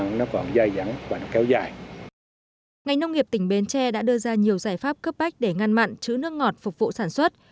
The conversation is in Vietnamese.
ngành nông nghiệp tỉnh bến tre đã đưa ra nhiều giải pháp cấp bách để ngăn mặn chữ nước ngọt phục vụ sản xuất